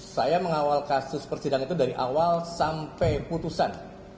saya mengawal kasus persidangan itu dari awal sampai putusan